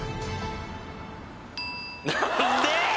何で？